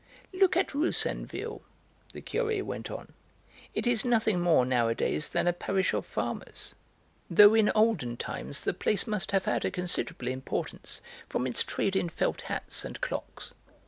"Look at Roussainville," the Curé went on. "It is nothing more nowadays than a parish of farmers, though in olden times the place must have had a considerable importance from its trade in felt hats and clocks.